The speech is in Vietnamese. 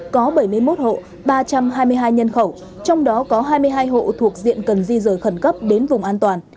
có bảy mươi một hộ ba trăm hai mươi hai nhân khẩu trong đó có hai mươi hai hộ thuộc diện cần di rời khẩn cấp đến vùng an toàn